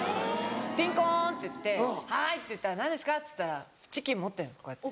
ピンコンっていって「はい何ですか？」っつったらチキン持ってんのこうやって。